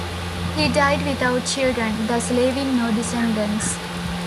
He died without children, thus leaving no descendants.